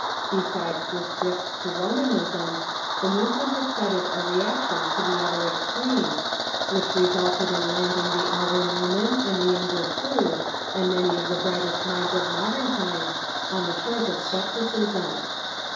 Besides this drift to Romanism, the movement excited a reaction to the other extreme, Avhich resulted in landing the elder Newman and the younger Froude, and many of the brightest minds of modern times, on the shores of scepticism.